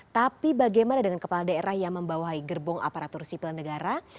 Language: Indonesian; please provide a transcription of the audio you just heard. tapi bagaimana dengan kepala daerah yang membawahi gerbong aparatur sipil negara